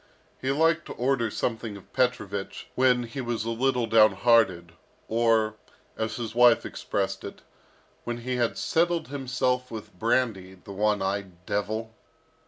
He liked to order something of Petrovich when he was a little downhearted, or, as his wife expressed it, "when he had settled himself with brandy, the one eyed devil!"